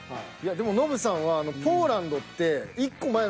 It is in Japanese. でもノブさんは出てた？